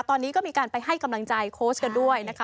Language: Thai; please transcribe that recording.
ตอนนี้ก็มีการไปให้กำลังใจโค้ชกันด้วยนะคะ